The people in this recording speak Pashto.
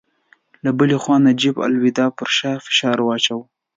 له بلې خوا نجیب الدوله پر شاه فشار اچاوه.